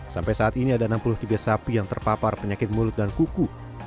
sampai saat ini ada enam puluh tiga sapi yang terpapar penyakit mulut dan kuku